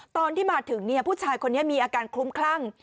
ตอนที่มาถึงผู้ชายคนนี้มีอาการคลุ้มคลั่ง